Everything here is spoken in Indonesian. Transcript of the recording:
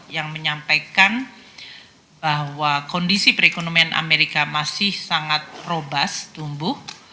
yang menyampaikan bahwa kondisi perekonomian amerika masih sangat robas tumbuh